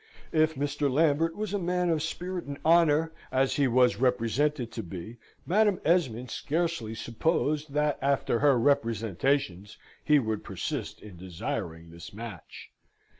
If Mr. Lambert was a man of spirit and honour, as he was represented to be, Madam Esmond scarcely supposed that, after her representations, he would persist in desiring this match.